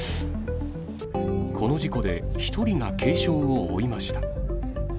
この事故で１人が軽傷を負いました。